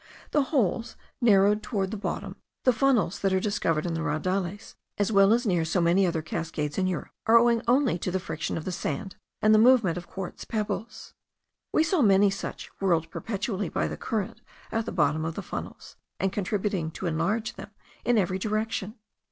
The holes narrowed toward the bottom, the funnels that are discovered in the raudales, as well as near so many other cascades in Europe, are owing only to the friction of the sand, and the movement of quartz pebbles. We saw many such, whirled perpetually by the current at the bottom of the funnels, and contributing to enlarge them in every direction.